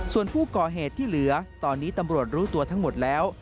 ส่วนผู้ก่อเหตุที่เหลือตอนนี้ตำรวจรู้ตัวทั้งหมดแล้ว